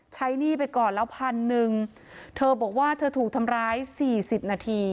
หนี้ไปก่อนแล้วพันหนึ่งเธอบอกว่าเธอถูกทำร้ายสี่สิบนาที